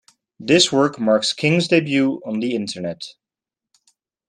This work marks King's debut on the Internet.